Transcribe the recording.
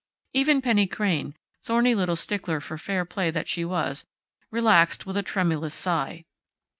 Even Penny Crain, thorny little stickler for fair play that she was, relaxed with a tremulous sigh.